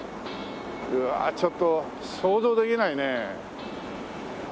うわちょっと想像できないね。